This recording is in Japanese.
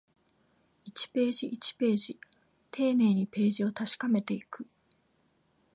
一ページ、一ページ、丁寧にページを確かめていく